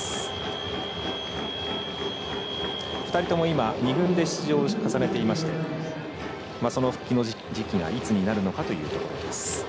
２人とも今２軍で出場を重ねていましてその復帰の時期がいつになるのかというところです。